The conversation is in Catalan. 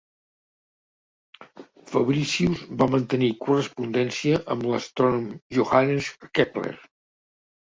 Fabricius va mantenir correspondència amb l'astrònom Johannes Kepler.